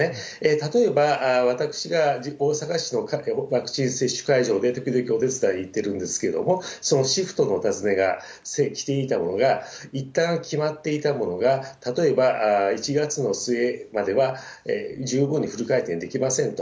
例えば私が大阪市の各ワクチン接種会場で時々お手伝いに行ってるんですけれども、そのシフトのお尋ねが来ていたものが、いったん決まっていたものが、例えば１月の末までは十分にフル回転できませんと。